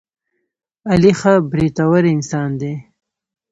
علي ښه برېتور انسان دی.